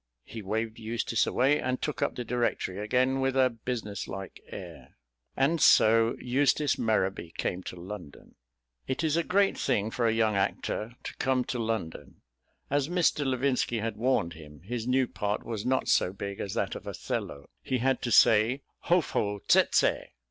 He waved Eustace away and took up the Directory again with a business like air. And so Eustace Merrowby came to London. It is a great thing for a young actor to come to London. As Mr. Levinski had warned him, his new part was not so big as that of Othello; he had to say "Hofo tsetse!"